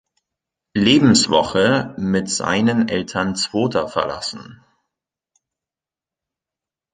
Lebenswoche mit seinen Eltern Zwota verlassen.